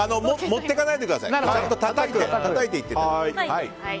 持っていかないでください。ちゃんとたたいていってください。